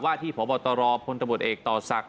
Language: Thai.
ว่าที่หมตรพนตะบลเอภต่อศักดิ์